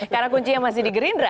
karena kuncinya masih di gerindra